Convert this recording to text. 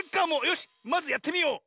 よしまずやってみよう！